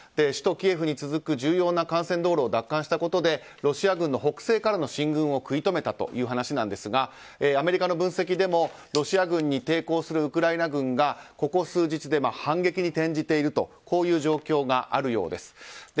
首都キエフに続く重要な幹線道路を奪還したことでロシア軍の北西からの進軍を食い止めたという話なんですがアメリカの分析でもロシア軍に抵抗するウクライナ軍がここ数日で反撃に転じているという状況があるようです。